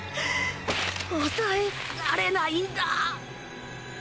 抑えられないんだ！